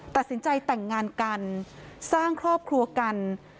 ตัดสินใจแต่งงานกันสร้างครอบครัวกัน